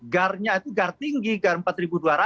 gar nya itu gar tinggi gar empat ribu dua ratus